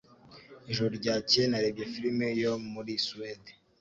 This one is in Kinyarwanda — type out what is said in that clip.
Ijoro ryakeye narebye firime yo muri Suwede.